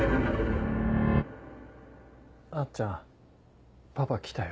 あっちゃんパパ来たよ。